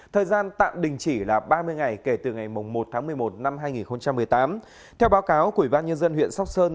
thời gian tạm đình chỉ là ba mươi ngày kể từ ngày một tháng một mươi một năm hai nghìn một mươi tám